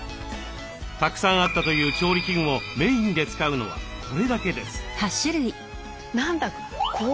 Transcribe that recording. たくさんあったという調理器具もメインで使うのはこれだけです。